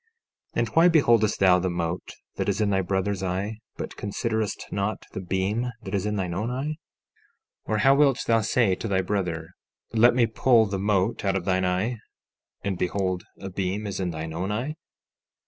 14:3 And why beholdest thou the mote that is in thy brother's eye, but considerest not the beam that is in thine own eye? 14:4 Or how wilt thou say to thy brother: Let me pull the mote out of thine eye—and behold, a beam is in thine own eye?